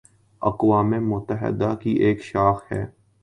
اقوام متحدہ کی ایک شاخ ہے